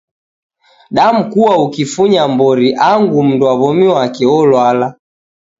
Damkua ukifunya mbori angu mundu wa w'omi wake wolwala.